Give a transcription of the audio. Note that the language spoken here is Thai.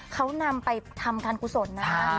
เขานำไปทำการกุศลนะคะ